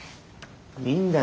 いいんだよ